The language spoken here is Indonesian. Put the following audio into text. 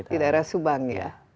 di daerah subang ya